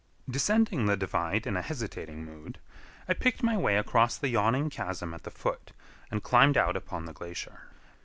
Descending the divide in a hesitating mood, I picked my way across the yawning chasm at the foot, and climbed out upon the glacier.